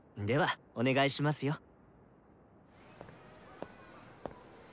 ではお願いしますよ。